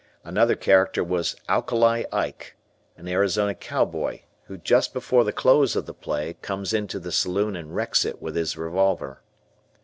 Another character was Alkali Ike, an Arizona cow boy, who just before the close of the play comes into the saloon and wrecks it with his revolver.